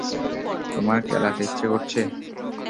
তোমার ক্যালাতে ইচ্ছে করছে?